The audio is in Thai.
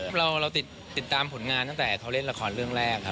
เราติดตามผลงานตั้งแต่เขาเล่นละครเรื่องแรกครับ